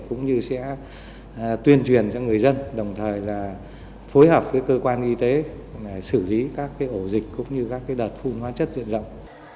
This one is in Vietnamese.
cũng như sẽ tuyên truyền cho người dân đồng thời là phối hợp với cơ quan y tế xử lý các ổ dịch cũng như các đợt phung hóa chất diện rộng